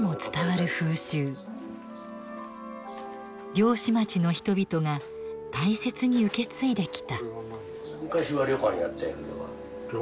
漁師町の人々が大切に受け継いできた。